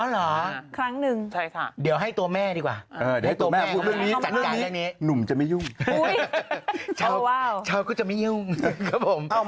อ๋อเหรอใช่ค่ะเดี๋ยวให้ตัวแม่ดีกว่านุ่มก็จะไม่ยุ่งชาวก็จะไม่ยุ่งครับผม